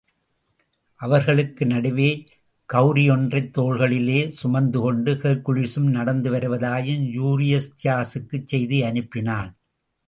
அவர்களுக்கு நடுவே கோளரி ஒன்றைத் தோள்களிலே சுமந்துகொண்டு ஹெர்க்குலிஸும் நடந்து வருவதாயும் யூரிஸ்தியஸுக்குச் செய்தி அனுப்பினான்.